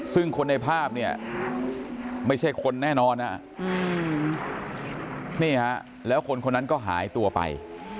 ซึ่งคนในภาพเนี่ยไม่ใช่คนแน่นอนนะนี่ฮะแล้วคนคนนั้นก็หายตัวไป